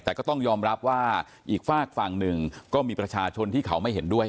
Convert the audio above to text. แต่ก็ต้องยอมรับว่าอีกฝากฝั่งหนึ่งก็มีประชาชนที่เขาไม่เห็นด้วย